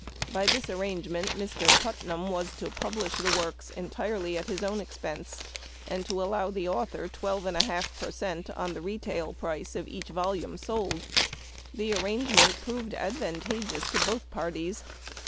By this arrangement Mr. Putnam was to publish the works entirely at his own expense, and allow the author twelve and a half per cent, on the retail price of each volume sold. The arrangement proved advantageous to both par ties.